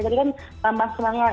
jadi kan tambah semangat